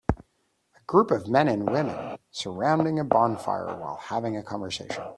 A group of men and women surrounding a bonfire while having conversation